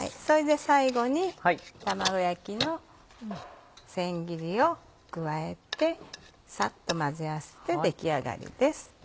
それで最後に卵焼きの千切りを加えてサッと混ぜ合わせて出来上がりです。